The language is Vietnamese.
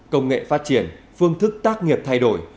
công nghệ phát triển phương thức tác nghiệp thay đổi